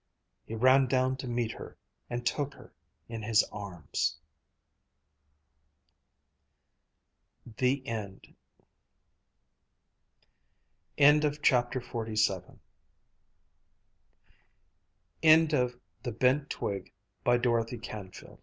He ran down to meet her, and took her in his arms. THE END End of the Project Gutenberg EBook of The Bent Twig, by Dorothy Canfield